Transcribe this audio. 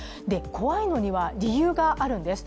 怖いのには理由があるんです。